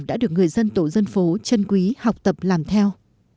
đã được người dân tổ dân phố chân quý học tập làm theo